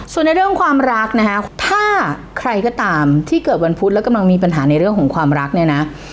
ส่วนในเรื่องความรักนะฮะถ้าใครก็ตามที่เกิดวันพุธแล้วกำลังมีปัญหาในเรื่องของความรักเนี่ยนะ